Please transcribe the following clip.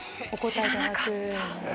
知らなかった。